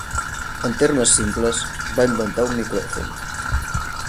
En termes simples, va inventar un micròfon.